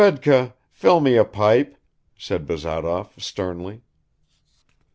"Fedka! fill me a pipe!" said Bazarov sternly.